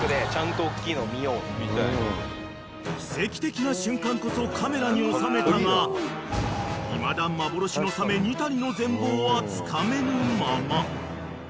［奇跡的な瞬間こそカメラに収めたがいまだ幻のサメニタリの全貌はつかめぬまま］